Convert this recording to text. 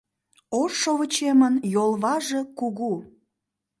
Ош шовычемын йолваже кугу